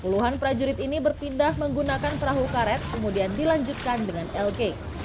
puluhan prajurit ini berpindah menggunakan perahu karet kemudian dilanjutkan dengan lg